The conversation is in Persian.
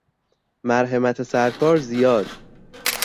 مرحمت سرکار زیاد!